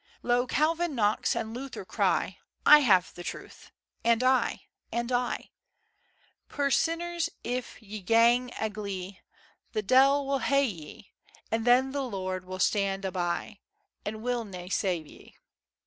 Lo! Calvin, Knox, and Luther, cry "I have the Truth" "and I" "and I." "Puir sinners! if ye gang agley, The de'il will hae ye, And then the Lord will stand abeigh, And will na save ye."